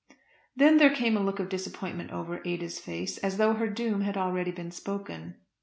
Then there came a look of disappointment over Ada's face, as though her doom had already been spoken.